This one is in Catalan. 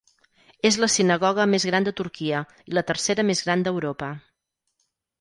És la sinagoga més gran de Turquia i la tercera més gran d'Europa.